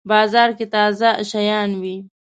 بازار کی تازه شیان وی